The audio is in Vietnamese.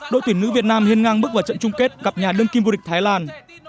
đội tuyển nữ việt nam hiên ngang bước vào trận chung kết gặp nhà đơn kim vô địch thái lan